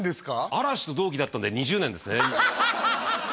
嵐と同期だったんで２０年ですね